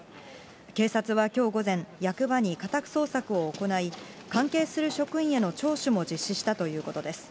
警察はきょう午前、役場に家宅捜索を行い、関係する職員への聴取も実施したということです。